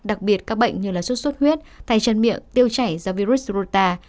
đặc biệt các bệnh như sốt xuất huyết tay chân miệng tiêu chảy do virus rota